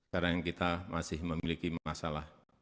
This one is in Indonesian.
karena yang kita masih memiliki masalah